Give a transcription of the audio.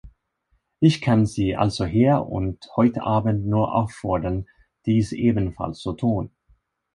Ich kann sie also hier und heute Abend nur auffordern, dies ebenfalls zu tun.